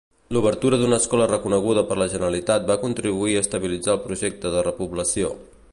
L'obertura d'una escola reconeguda per la Generalitat va contribuir a estabilitzar el projecte de repoblació.